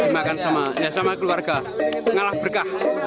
makan sama keluarga